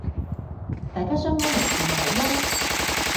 大家相安冇事咪好囉